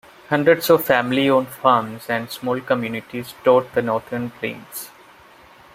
Hundreds of family-owned farms and small communities dot the Northern Plains.